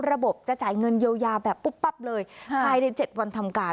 ระบบจะจ่ายเงินเยียวยาแบบปุ๊บปั๊บเลยภายใน๗วันทำการ